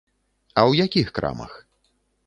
А ў якіх крамах?